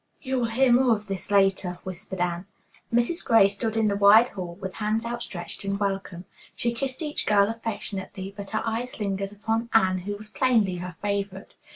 "You will hear more of this later," whispered Anne. Mrs. Gray stood in the wide hall with hands outstretched in welcome. She kissed each girl affectionately, but her eyes lingered upon Anne, who was plainly her favorite.